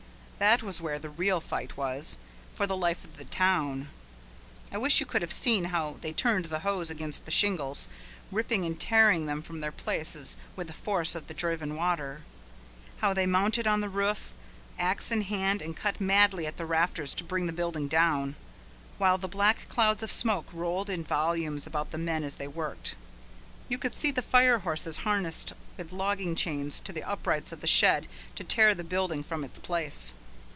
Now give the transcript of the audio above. That was where the real fight was, for the life of the town. I wish you could have seen how they turned the hose against the shingles, ripping and tearing them from their places with the force of the driven water: how they mounted on the roof, axe in hand, and cut madly at the rafters to bring the building down, while the black clouds of smoke rolled in volumes about the men as they worked. You could see the fire horses harnessed with logging chains to the uprights of the shed to tear the building from its place.